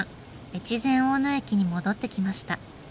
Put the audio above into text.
越前大野駅に戻ってきました。